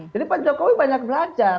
jadi pak jokowi banyak belajar